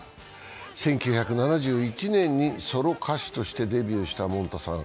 １９７１年にソロ歌手としてデビューしたもんたさん。